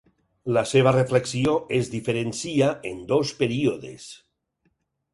La seva reflexió es diferencia en dos períodes.